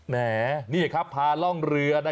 แหมนี่ครับพาร่องเรือ